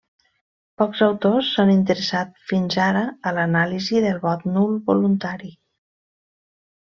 Pocs autors s'han interessat fins ara a l'anàlisi del vot nul voluntari.